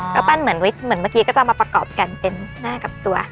ก็ปั้นเหมือนเมื่อกี้ก็จะมาประกอบกันเป็นหน้ากับตัว